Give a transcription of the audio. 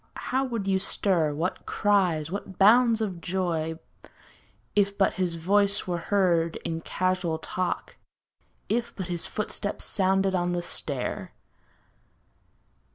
How would you stir, what cries, what bounds of joy. If but his voice were heard in casual talk. If but his footstep sounded on the stair!